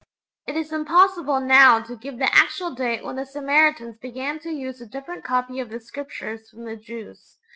It is impossible now to give the actual date when the Samaritans began to use a different copy of the Scriptures from the Jews.